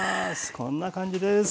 こんな感じです。